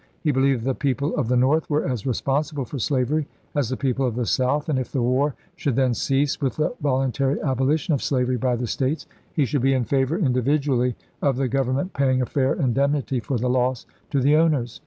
He believed the people of the North were as responsible for slavery as the people of the South ; and if the war should then cease, with the voluntary abolition of slavery by the States, he should be in favor, individually, of the Govern ment paying a fair indemnity for the loss to the owners.